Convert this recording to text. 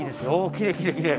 きれいきれいきれい。